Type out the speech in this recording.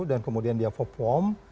dan kemudian dia form